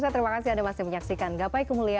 dan bagaimana nanti supaya meringankan hisap kita